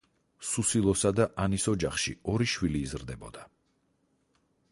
სუსილოსა და ანის ოჯახში ორი შვილი იზრდებოდა.